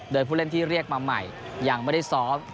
โดยผู้เล่นที่เรียกมาใหม่ยังไม่ได้ซ้อม